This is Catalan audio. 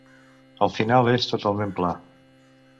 El final és totalment pla.